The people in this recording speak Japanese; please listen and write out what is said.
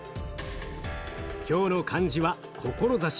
今日の漢字は「志」。